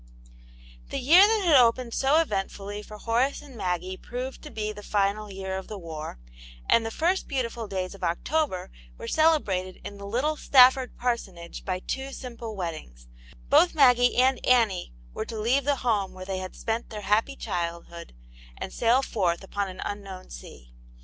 THE year that had opened so cvcntfully for Horace and Maggie proved to be the final' year of the war ; and the first beautiful days of October were celebrated in the little Stafford par sonage by two simple weddings ; both Maggie and Annie were to leave the home where they had spent their happy childhood, and sail forth upon an un known sea.